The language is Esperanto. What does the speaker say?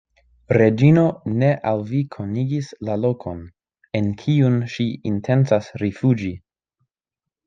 Reĝino ne al vi konigis la lokon, en kiun ŝi intencas rifuĝi.